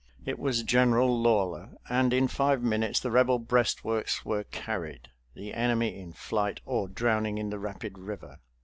It was General Lawler, and in five minutes the Rebel breastworks were carried, the enemy in flight or drowning in the rapid river.